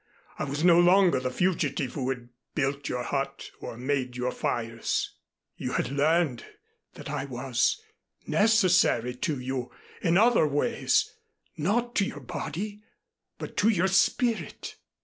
I was no longer the fugitive who had built your hut, or made your fires. You had learned that I was necessary to you, in other ways, not to your body but to your spirit."